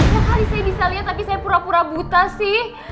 berkali kali saya bisa liat tapi saya pura pura buta sih